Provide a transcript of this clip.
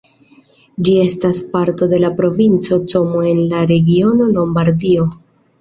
Ĝi estas parto de la provinco Como en la regiono Lombardio.